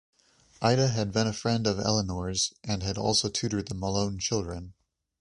Ida had been a friend of Elinor's and had also tutored the Malone children.